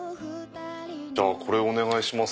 これお願いします。